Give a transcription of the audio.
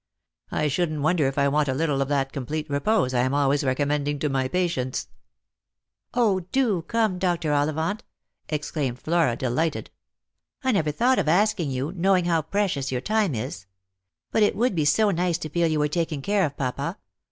I shouldn't wonder if I want a little of that complete repose I am always recommending to my patients." " 0, do come, Dr. Ollivant !" exclaimed Flora, delighted. " I never thought of asking you, knowing how precious your time is. But it would be so nice to feel you were taking care of papa.